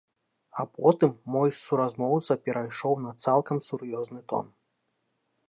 А потым мой суразмоўца перайшоў на цалкам сур'ёзны тон.